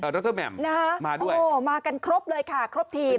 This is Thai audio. ดรแหม่มนะฮะมาด้วยโอ้มากันครบเลยค่ะครบทีม